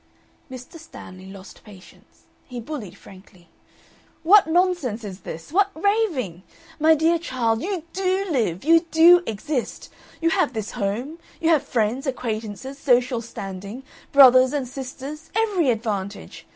Mr. Stanley lost patience. He bullied frankly. "What nonsense is this? What raving! My dear child, you DO live, you DO exist! You have this home. You have friends, acquaintances, social standing, brothers and sisters, every advantage!